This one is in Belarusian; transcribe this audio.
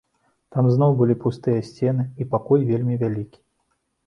Там зноў былі пустыя сцены і пакой вельмі вялікі.